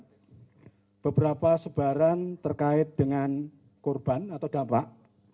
ada beberapa sebaran terkait dengan korban atau dampak